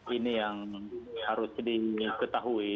ini yang harus diketahui